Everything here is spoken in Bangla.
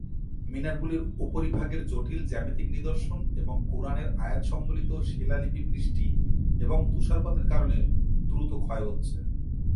মিনার গুলির উপরিভাগের জটিল জ্যামিতিক নিদর্শন এবং কুরআনের আয়াত সংবলিত শিলালিপি বৃষ্টি এবং তুষারপাতের কারণে দ্রুত ক্ষয় হচ্ছে।